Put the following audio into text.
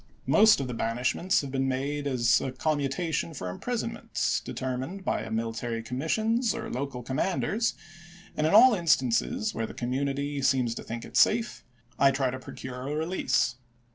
Most of the banish ments have been made as a commutation for imprison Lincoln? ments determined by military commissions or local com Jai^^is^ses. manders, and in all instances where the community voi. xx_ii., seems to think it safe, I try to procure a release.